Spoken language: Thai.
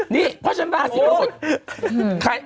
นี่เพราะฉันราศรีกรกฎ